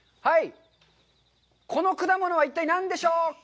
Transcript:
この果物は一体何でしょうか。